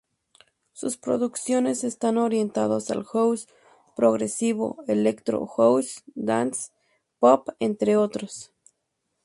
Sus producciones están orientadas al house progresivo, electro house, Dance pop, entre otros.